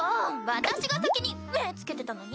私が先に目ぇ付けてたのにぃ！